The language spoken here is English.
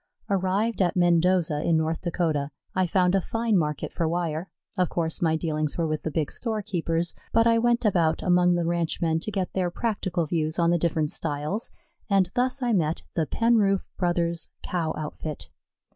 Arrived at Mendoza, in North Dakota, I found a fine market for wire. Of course my dealings were with the big storekeepers, but I went about among the ranchmen to get their practical views on the different styles, and thus I met the Penroof Brothers' Cow outfit.